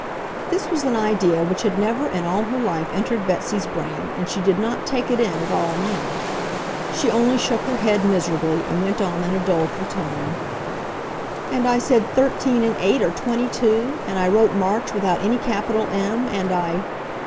This was an idea which had never in all her life entered Betsy's brain and she did not take it in at all now. She only shook her head miserably and went on in a doleful tone. "And I said 13 and 8 are 22! and I wrote March without any capital M, and I